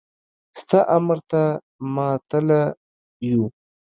ستا امر ته ماتله يو.